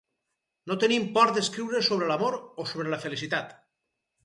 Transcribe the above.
No tenim por d'escriure sobre l'amor o sobre la felicitat.